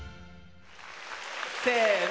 せの。